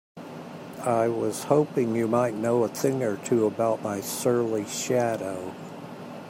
I was hoping you might know a thing or two about my surly shadow?